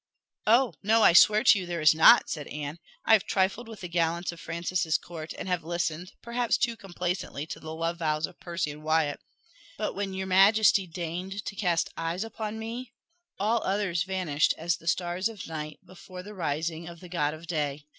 "Oh no, I swear to you there is not," said Anne "I have trifled with the gallants of Francis's court, and have listened, perhaps too complacently, to the love vows of Percy and Wyat, but when your majesty deigned to cast eyes upon me, all others vanished as the stars of night before the rising of the god of day.